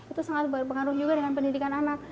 itu sangat berpengaruh juga dengan pendidikan anak